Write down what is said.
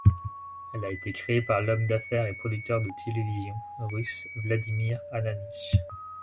Elle a été créée par l'homme d'affaires et producteur de télévision russe Vladimir Ananitch.